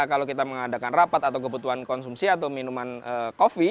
kalau kita mengadakan rapat atau kebutuhan konsumsi atau minuman kopi